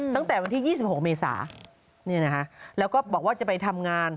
ตั้งแต่วันที่๒๖เมษาแล้วก็บอกว่าจะไปทำงาน